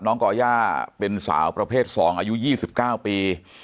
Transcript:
ก่อย่าเป็นสาวประเภท๒อายุ๒๙ปี